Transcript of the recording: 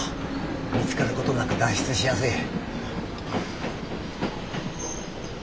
見つかることなく脱出しやすい。